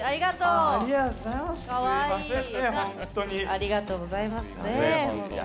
ありがとうございますほんとに。